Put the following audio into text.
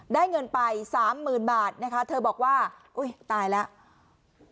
ได้เงินไปสามหมื่นบาทนะคะเธอบอกว่าอุ้ยตายแล้ว